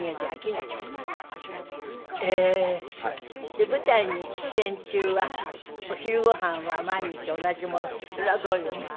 で舞台に出演中はお昼ご飯は毎日同じものってそれはどういうの？